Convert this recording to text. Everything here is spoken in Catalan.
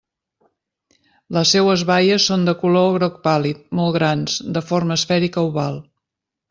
Les seues baies són de color groc pàl·lid, molt grans, de forma esfèrica oval.